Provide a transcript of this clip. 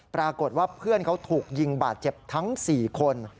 ปรากฏว่าเพื่อนเขาถูกยิงบาดเจ็บทั้ง๔คน